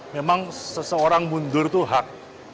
memang seseorang mundur itu hak